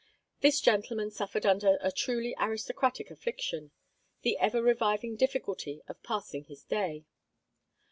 This gentleman suffered under a truly aristocratic affliction the ever reviving difficulty of passing his day.